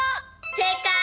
せいかい！